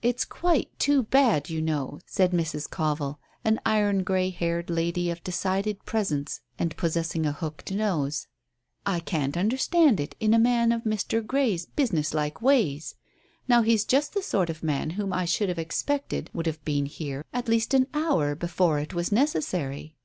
"It's quite too bad, you know," said Mrs. Covill, an iron grey haired lady of decided presence and possessing a hooked nose. "I can't understand it in a man of Mr. Grey's business like ways. Now he's just the sort of man whom I should have expected would have been here at least an hour before it was necessary."